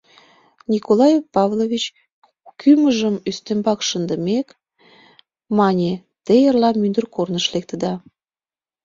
— Николай Павлович, — кӱмыжым ӱстембак шындымек, мане, — те эрла мӱндыр корныш лектыда?